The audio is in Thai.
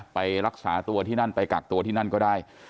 ไปรักษาตัวที่นั่นไปกักตัวที่นั่นก็ได้